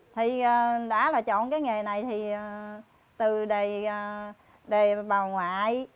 thì đã là chọn cái nghề này thì từ đời bà ngoại